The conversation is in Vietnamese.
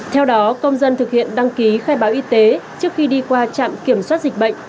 theo đó công dân thực hiện đăng ký khai báo y tế trước khi đi qua trạm kiểm soát dịch bệnh